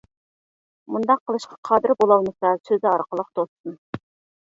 مۇنداق قىلىشقا قادىر بولالمىسا سۆزى ئارقىلىق توسسۇن.